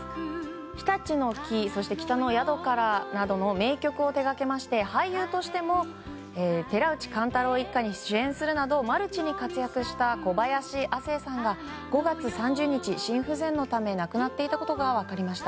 「日立の樹」や「北の宿から」などの名曲を手掛けまして俳優としても「寺内貫太郎一家」に主演するなど、マルチに活躍した小林亜星さんが５月３０日、心不全のため亡くなっていたことが分かりました。